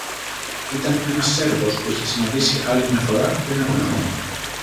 Ήταν ένας Σέρβος που είχε συναντήσει άλλη μια φορά πριν από κάνα χρόνο